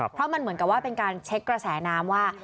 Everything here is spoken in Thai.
เพราะมันเหมือนกับว่าเป็นการเช็คกระแสน้ำว่า